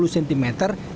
sejak tahun dua ribu